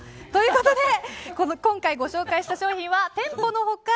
ということで今回ご紹介した商品は店舗の他